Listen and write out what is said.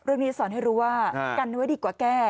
เรื่องนี้สอนให้รู้ว่ากันไว้ดีกว่าแก้